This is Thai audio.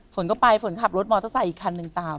ฝนก็ไปฝนขับรถมอเตอร์ไซค์อีกคันนึงตาม